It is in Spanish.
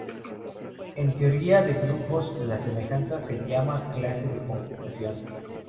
En teoría de grupos, la semejanza se llama clase de conjugación.